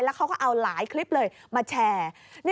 เขาก็เอาหลายคลิปเลยมาแชร์